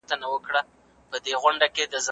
ناوړه فکرونه نه لټول کېږي.